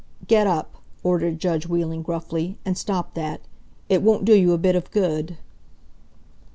"Get up!" ordered judge Wheeling, gruffly, "and stop that! It won't do you a bit of good."